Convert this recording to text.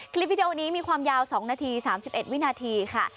คลิปวิดีโอนี้มีความยาว๒นาที๓๑วินาทีค่ะ